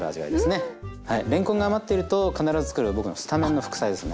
れんこんが余ってると必ずつくる僕のスタメンの副菜ですね。